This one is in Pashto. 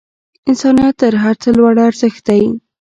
انسانیت تر هر څه لوړ ارزښت دی.